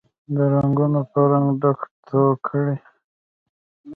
د رنګونوپه رنګ، ډکه ټوکرۍ